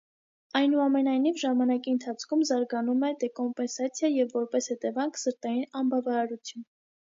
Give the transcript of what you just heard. Այնուամենայնիվ, ժամանակի ընթացքում զարգանում է դեկոմպենսացիա և որպես հետևանք՝ սրտային անբավարարություն։